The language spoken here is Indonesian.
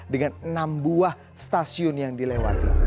dengan enam buah stasiun yang dilewati